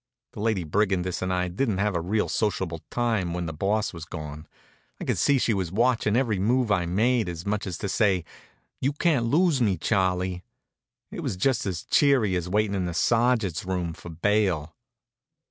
The Lady Brigandess and I didn't have a real sociable time while the Boss was gone. I could see she was watchin' every move I made, as much as to say, "You can't lose me, Charlie." It was just as cheery as waitin' in the Sergeant's room for bail.